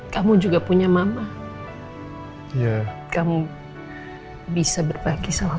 kamu juga yang istirahat